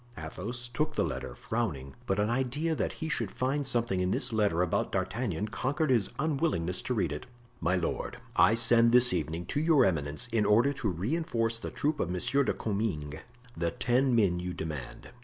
Athos took the letter, frowning, but an idea that he should find something in this letter about D'Artagnan conquered his unwillingness to read it. "My lord, I shall send this evening to your eminence in order to reinforce the troop of Monsieur de Comminges, the ten men you demand.